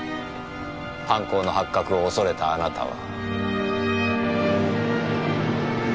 犯行の発覚を恐れたあなたは。